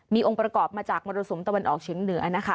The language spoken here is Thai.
มีองค์ประกอบมาจากมรสุมตะวันออกเฉียงเหนือนะคะ